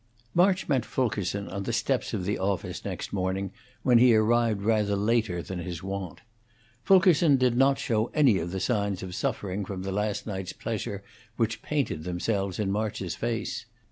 March met Fulkerson on the steps of the office next morning, when he arrived rather later than his wont. Fulkerson did not show any of the signs of suffering from the last night's pleasure which painted themselves in March's face.